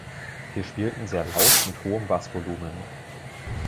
Wir spielten sehr laut mit hohem Bass-Volumen.